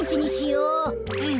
うん。